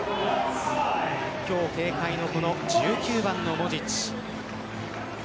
今日警戒の１９番のモジッチ。